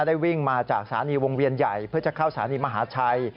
ได้วิ่งมาจากสถานีวงเวียนใหญ่เพื่อจะเข้าสถานีมหาชัย